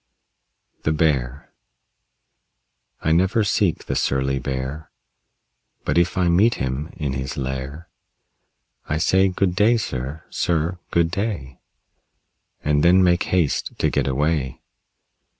THE BEAR I never seek the surly Bear, But if I meet him in his lair I say, "Good day, sir; sir, good day," And then make haste to get away.